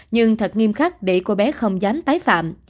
nhưng thật nghiêm khắc để cô bé không dám tái phạm